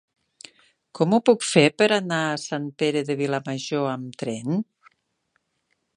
Com ho puc fer per anar a Sant Pere de Vilamajor amb tren?